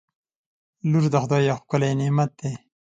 • لور د خدای یو ښکلی نعمت دی.